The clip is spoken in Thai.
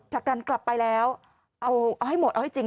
ผลักดันกลับไปแล้วเอาให้หมดเอาให้จริง